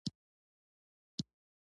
• کنفوسیوس درې کلن و، چې پلار یې وفات شو.